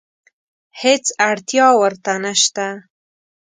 هېڅ اړتیا ورته نشته.